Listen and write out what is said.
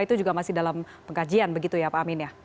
itu juga masih dalam pengkajian begitu ya pak amin ya